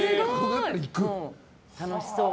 楽しそう。